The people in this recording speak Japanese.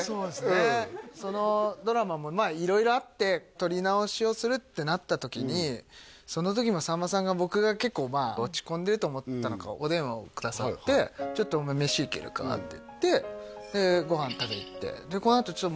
うんそのドラマもまあ色々あって撮り直しをするってなった時にその時もさんまさんが僕が結構まあ落ち込んでると思ったのかお電話をくださって「ちょっとお前飯行けるか？」って言ってでご飯食べに行って「このあとちょっと」